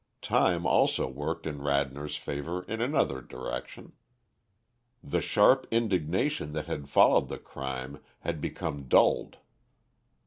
Time also worked in Radnor's favour in another direction. The sharp indignation that had followed the crime had become dulled.